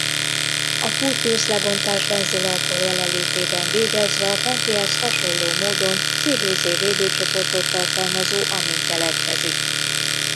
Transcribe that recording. A Curtius-lebontást benzil-alkohol jelenlétében végezve a fentihez hasonló módon Cbz-védőcsoportot tartalmazó amin keletkezik.